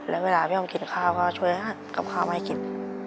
แล้วเวลาพี่อ้อมกินข้าวก็ช่วยกับข้าวมาให้กิน